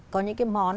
có những cái món